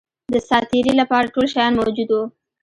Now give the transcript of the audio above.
د سات تېري لپاره ټول شیان موجود وه.